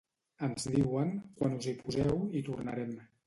Ens diuen, ‘quan us hi poseu, hi tornarem’.